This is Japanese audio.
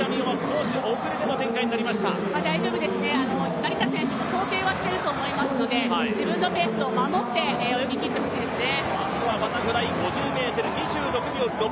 成田選手も想定はしていると思いますので自分のペースを守って泳ぎきっていただきたいですね。